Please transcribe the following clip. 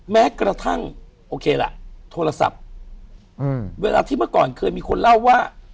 แม้กระทั่งโอเคล่ะโทรศัพท์เวลาที่เมื่อก่อนเคยมีคนเล่าว่า